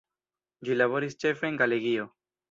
Ĝi laboris ĉefe en Galegio.